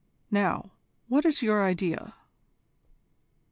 Now, what is your idea?"